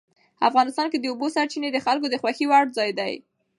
افغانستان کې د اوبو سرچینې د خلکو د خوښې وړ ځای دی.